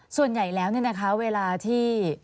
ส่วนใหญ่แล้วเนี่ยนะคะเวลาที่